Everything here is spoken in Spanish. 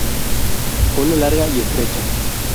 Cola larga y estrecha.